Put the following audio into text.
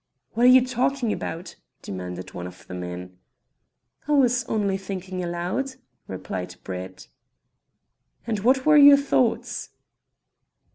"What are you talking about?" demanded one of the men. "I was only thinking aloud," replied Brett. "And what were your thoughts?"